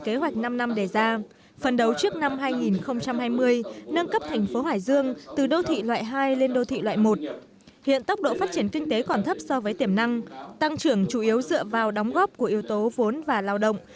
kế hoạch năm năm đề ra phần đầu trước năm hai nghìn hai mươi nâng cấp thành phố hải dương từ đô thị loại hai lên đô thị loại một hiện tốc độ phát triển kinh tế còn thấp so với tiềm năng tăng trưởng chủ yếu dựa vào đóng góp của yếu tố vốn và lao động